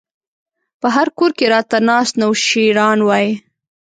په هر کور کې راته ناست نوشيروان وای